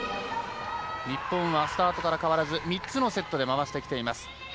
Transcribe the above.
日本はスタートから変わらず３つのセットで回してきています。